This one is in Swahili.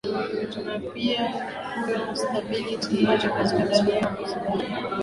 na pia kuwe na stability katika dunia kwa sababu kama ukiangalia